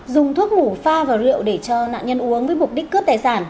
dùng thuốc ngủ pha và rượu để cho nạn nhân uống với mục đích cướp tài sản